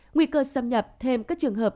nguy cơ xâm nhập thêm các trường hợp